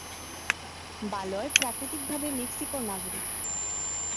বালয় প্রাকৃতিকভাবে মেক্সিকোর নাগরিক।